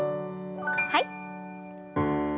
はい。